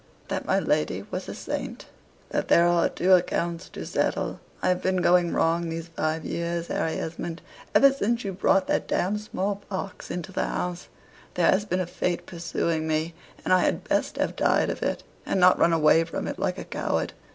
"That my lady was a saint?" "That there are two accounts to settle. I have been going wrong these five years, Harry Esmond. Ever since you brought that damned small pox into the house, there has been a fate pursuing me, and I had best have died of it, and not run away from it like a coward.